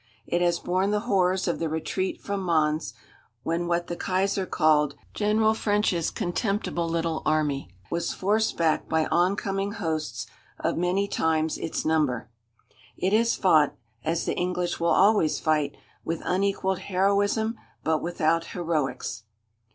It has borne the horrors of the retreat from Mons, when what the Kaiser called "General French's contemptible little army" was forced back by oncoming hosts of many times its number. It has fought, as the English will always fight, with unequalled heroism but without heroics.